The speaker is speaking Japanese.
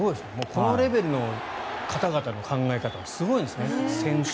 このレベルの方々の考え方はすごいんですね。